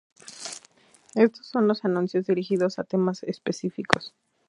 Estos son los anuncios dirigidos a temas específicos.